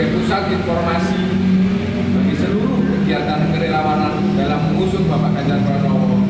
pusat informasi bagi seluruh kegiatan kerelawanan dalam mengusung bapak ganjar pranowo